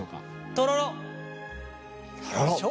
とろろ！